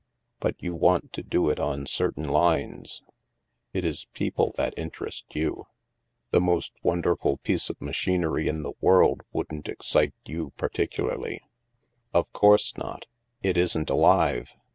But you want to do it on cer tain lines. It is people that interest you. The most wonderful piece of machinery in the world wouldn't excite you, particularly." HAVEN 289 " Of course not. It isn't alive.